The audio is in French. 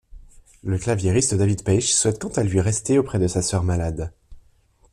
Le claviériste David Paich souhaite quant à lui rester auprès de sa sœur malade.